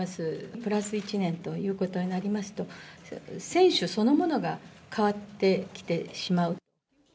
プラス１年ということになりますと、選手そのものが変わってきてしまう。